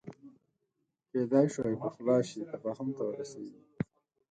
کېدای شوای پخلا شي تفاهم ته ورسېږي